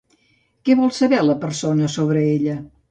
Què vol saber la persona sobre ella?